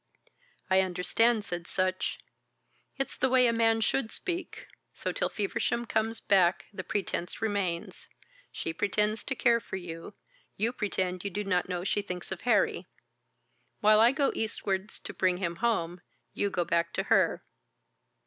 '" "I understand," said Sutch. "It's the way a man should speak. So till Feversham comes back the pretence remains. She pretends to care for you, you pretend you do not know she thinks of Harry. While I go eastwards to bring him home, you go back to her."